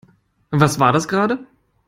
Was war das gerade?